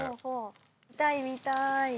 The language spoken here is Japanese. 見たい見たい。